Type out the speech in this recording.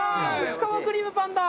薄皮クリームパンだ。